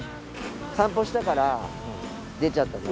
散歩したから出ちゃったんだな。